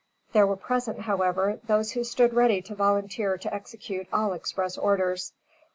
There were present, however, those who stood ready to volunteer to execute all express orders.